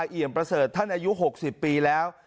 เอี่ยมประเสริฐท่านอายุ๖๐ปีแล้ว